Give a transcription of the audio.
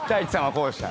こうでした。